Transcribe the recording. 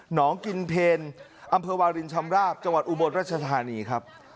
น้องกินเพลอำเภอวาลินชำราบจังหวัดอุบลรัชธานีครับ